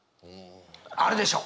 あるでしょ？